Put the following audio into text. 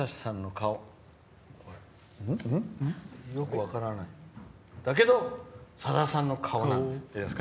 よく分からないんだけどさださんの顔なんです。